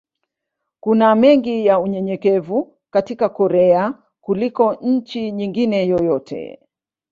Kuna mengi ya unyenyekevu katika Korea kuliko nchi nyingine yoyote.